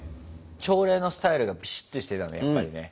朝礼のスタイルがピシッとしてたねやっぱりね。